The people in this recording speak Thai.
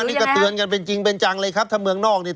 นี่ก็เตือนกันเป็นจริงเป็นจังเลยครับถ้าเมืองนอกเนี่ย